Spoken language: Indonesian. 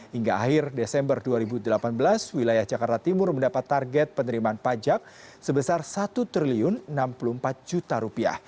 hingga akhir desember dua ribu delapan belas wilayah jakarta timur mendapat target penerimaan pajak sebesar rp satu enam puluh empat